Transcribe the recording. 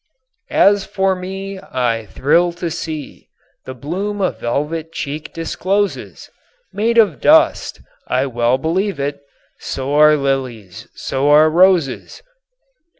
"As for me, I thrill to see The bloom a velvet cheek discloses! Made of dust! I well believe it, So are lilies, so are roses."